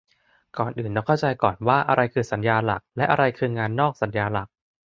ก่อนอื่นต้องเข้าใจก่อนว่าอะไรคือสัญญาหลัก และ อะไรคืองานนอกสัญญาหลัก